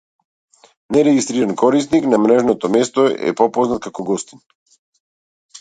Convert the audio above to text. Нерегистриран корисник на мрежното место е попознат како гостин.